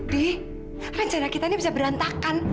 di penjara kita ini bisa berantakan